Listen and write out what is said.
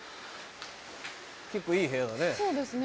結構いい部屋だね。